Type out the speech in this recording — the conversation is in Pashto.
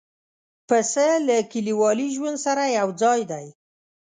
پسه له کلیوالي ژوند سره یو ځای دی.